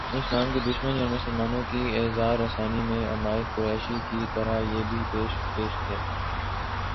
اسلام کی دشمنی اورمسلمانوں کی ایذارسانی میں عمائد قریش کی طرح یہ بھی پیش پیش تھے